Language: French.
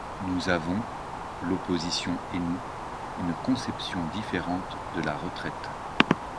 Nous avons, l’opposition et nous, une conception différente de la retraite.